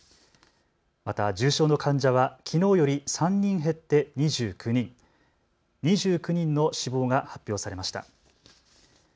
また重症の患者はきのうより３人減って２９人、２９人の死亡が発表されました。